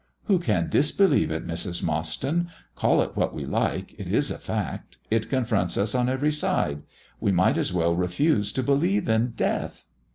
"Who can disbelieve it, Mrs. Mostyn? Call it what we like, it is a fact. It confronts us on every side. We might as well refuse to believe in death."